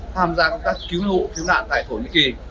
tham gia công tác cứu hộ cứu nạn tại thổ nhĩ kỳ